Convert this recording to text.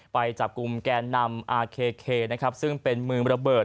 ไปจับกลุ่มแกนนำอาเคนะครับซึ่งเป็นมือระเบิด